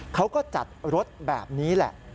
เขาก็จัดรถแบบนี้แหละ